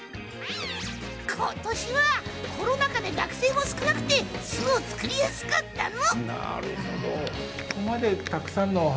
ことしはコロナ禍で学生も少なくて巣を作りやすかったの！